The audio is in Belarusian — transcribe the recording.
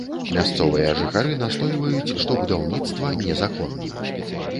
Мясцовыя жыхары настойваюць, што будаўніцтва незаконна.